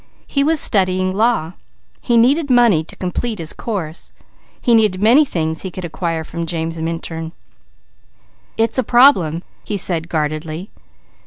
He was studying law. He needed money to complete his course. He needed many things he could acquire from James Minturn. "It's a problem," he said guardedly.